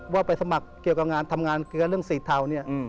ว่าไปสมัครเกี่ยวกับงานทำงานเกลือเรื่องสีเทาเนี่ย